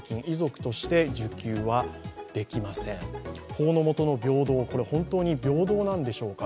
法の下の平等、これ本当に平等なのでしょうか。